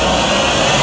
aku mau ke rumah